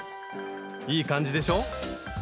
いい感じでしょ？